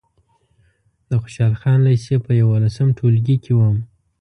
د خوشحال خان لېسې په یولسم ټولګي کې وم.